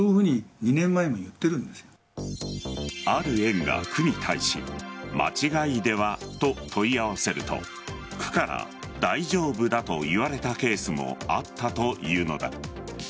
ある園が区に対し間違いではと問い合わせると区から大丈夫だと言われたケースもあったというのだ。